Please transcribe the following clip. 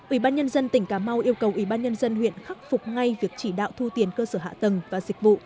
ubnd tỉnh cà mau yêu cầu ubnd huyện khắc phục ngay việc chỉ đạo thu tiền cơ sở hạ tầng và dịch vụ